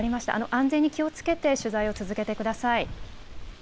安全に気をつけて取材を続けてください。